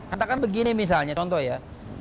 katakan begini misalnya contoh ya